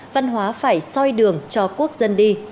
văn hóa phải soi đường cho quốc dân đi